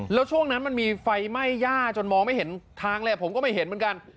แล้วช่วงนั้นมันมีไฟไหม้ย่าจนมองไม่เห็นทางแหละผมก็ไม่เห็นเหมือนกัน